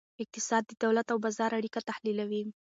اقتصاد د دولت او بازار اړیکه تحلیلوي.